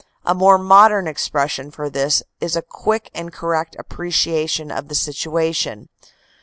A more modern expression for this is a quick and correct appreciation of the situation.